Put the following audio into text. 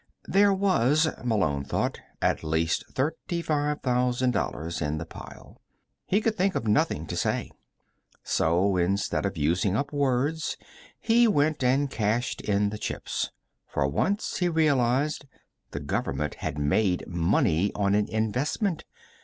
There was, Malone thought, at least thirty five thousand dollars in the pile. He could think of nothing to say. So, instead of using up words, he went and cashed in the chips. For once, he realized, the Government had made money on an investment.